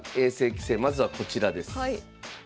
棋聖まずはこちらです。